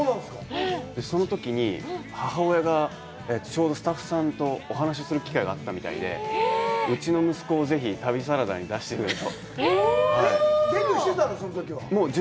そのときに、母親がちょうどスタッフさんとお話しする機会があったみたいで、うちの息子をぜひ旅サラダに出してくれと。